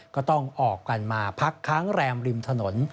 ก็ต้องออกกันมาพักค้างแรมริมถนน